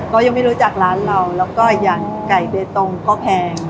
ก็ยังไม่รู้จักร้านเราแล้วก็อย่างไก่เบตงก็แพง